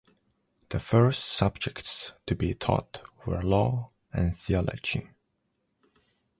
The first subjects to be taught were law and theology.